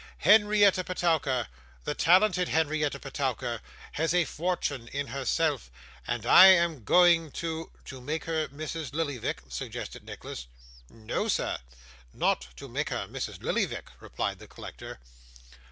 Henrietta Petowker, the talented Henrietta Petowker has a fortune in herself, and I am going to ' 'To make her Mrs. Lillyvick?' suggested Nicholas. 'No, sir, not to make her Mrs. Lillyvick,' replied the collector.